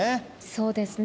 そうですね。